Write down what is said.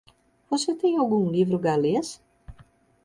Você tem algum livro galês?